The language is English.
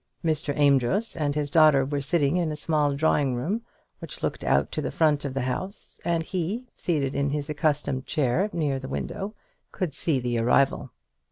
Mr. Amedroz and his daughter were sitting in a small drawing room, which looked out to the front of the house and he, seated in his accustomed chair, near the window, could see the arrival.